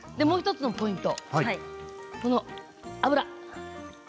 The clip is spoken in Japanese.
もう１つのポイント、油。